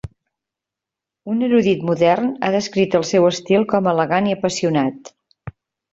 Un erudit modern ha descrit el seu estil com a elegant i apassionat.